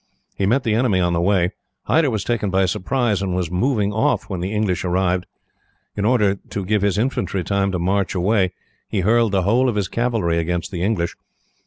He met the enemy on the way. Hyder was taken by surprise, and was moving off when the English arrived. In order to give his infantry time to march away, he hurled the whole of his cavalry against the English.